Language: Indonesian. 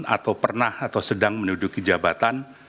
atau pernah atau sedang menuduki jabatan